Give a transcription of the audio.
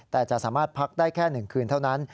แต่จะสามารถพักได้แค่๑คืนเท่านั้น